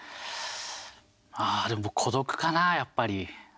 でも孤独かな、やっぱり。